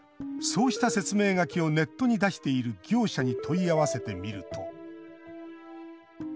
そうした説明書きをネットに出している業者に問い合わせてみると。